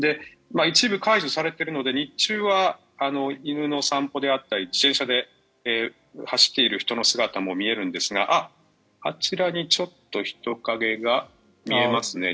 一部解除されているので日中は犬の散歩であったり自転車で走っている人の姿も見えるんですが、あちらにちょっと人影が見えますね。